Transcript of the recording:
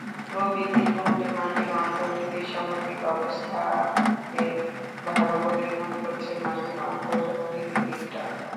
প্রবৃদ্ধি কমলেও মার্কিন অর্থনীতির সামগ্রিক অবস্থাকে ভালো বলেই মনে করছেন মার্কিন অর্থনীতিবিদেরা।